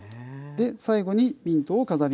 最後にミントを飾ります。